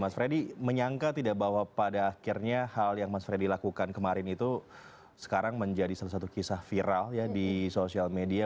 mas freddy menyangka tidak bahwa pada akhirnya hal yang mas freddy lakukan kemarin itu sekarang menjadi salah satu kisah viral ya di sosial media